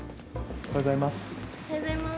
おはようございます。